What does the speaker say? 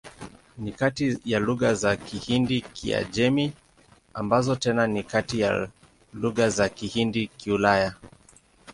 Ni kati ya lugha za Kihindi-Kiajemi, ambazo tena ni kati ya lugha za Kihindi-Kiulaya.